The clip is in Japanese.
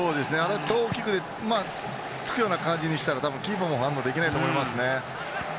トゥーキックでつくような感じにしたら多分、キーパーも反応できないと思いますね。